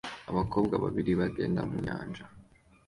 Abakobwa babiri bagenda mu nyanja